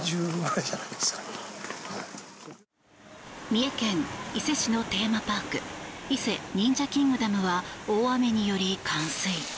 三重県伊勢市のテーマパーク伊勢忍者キングダムは大雨により冠水。